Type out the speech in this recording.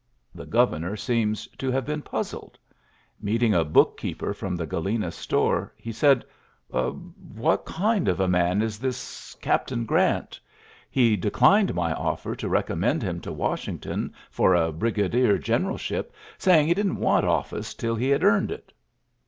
The governor seems to have been puz zled. Meeting a book keeper from the (}alena store, he said : "What kind of a man is this Captain Grant! .•• He ••• declined my offer to recommend him to Washington for a brigadier generalship^ saying he didn't want office till he had earned it.''